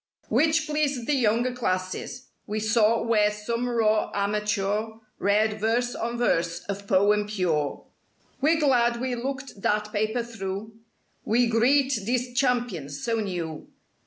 Which pleased the younger classes. We saw where some raw amateur Read verse on verse of poem pure. ^^ sig,, ^ jiL yff •T* We're glad we looked that paper through. We greet these champions, so new.